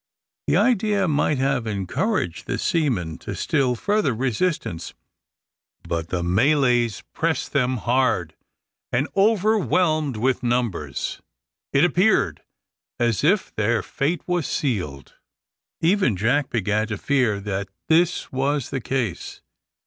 The idea might have encouraged the seamen to still further resistance, but the Malays pressed them hard; and, overwhelmed with numbers, it appeared as if their fate was sealed. Even Jack began to fear that this was the case.